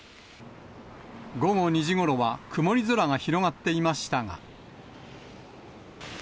午後２時ごろは曇り空が広がっていましたが。